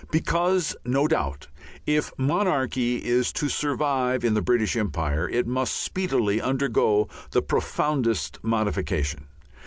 Because no doubt if monarchy is to survive in the British Empire it must speedily undergo the profoundest modification.